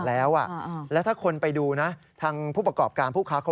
ยอมรับว่าการตรวจสอบเพียงเลขอยไม่สามารถทราบได้ว่าเป็นผลิตภัณฑ์ปลอม